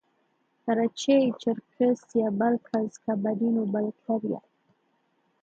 Karachay Cherkessia Balkars Kabardino Balkaria